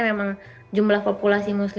mbak erin ini kasusnya apa sih university